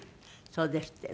そうですって。